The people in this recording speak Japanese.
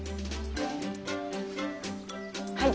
はい。